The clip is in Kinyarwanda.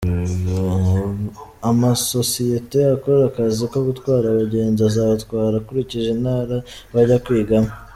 Amasosiyete akora akazi ko gutwara abagenzi azabatwara akurikije Intara bajya kwigamo.